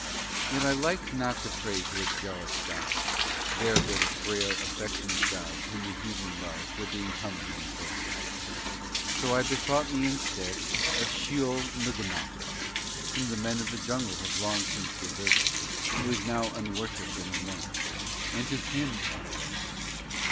Yet I liked not to pray to a jealous God there where the frail affectionate gods whom the heathen love were being humbly invoked; so I bethought me, instead, of Sheol Nugganoth, whom the men of the jungle have long since deserted, who is now unworshipped and alone; and to him I prayed.